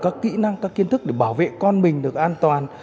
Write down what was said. các kỹ năng các kiến thức để bảo vệ con mình được an toàn